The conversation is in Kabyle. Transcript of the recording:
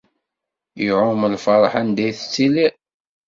Iɛum lferḥ anda i tettiliḍ.